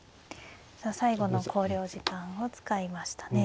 さあ最後の考慮時間を使いましたね。